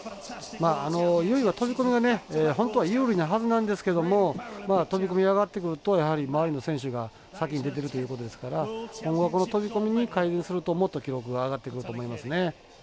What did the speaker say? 由井は飛び込みが本当は有利なはずなんですけども飛び込み上がってくるとやはり周りの選手が先に出てるということですから今後はこの飛び込みを改善するともっと記録が上がってくると思いますね。